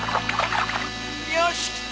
よしきた！